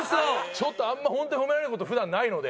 ちょっとあんまホントにホメられる事普段ないので。